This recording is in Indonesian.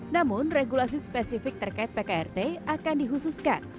namun regulasi spesifik terkait pkrt akan dihususkan